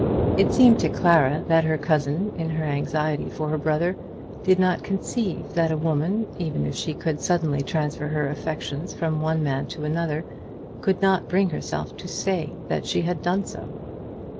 It seemed to Clara that her cousin, in her anxiety for her brother, did not conceive that a woman, even if she could suddenly transfer her affections from one man to another, could not bring herself to say that she had done so.